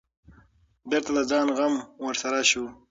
بېرته د ځان غم ورسره شو.